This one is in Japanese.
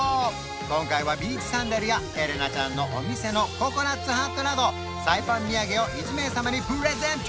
今回はビーチサンダルやエレナちゃんのお店のココナッツハットなどサイパン土産を１名様にプレゼント！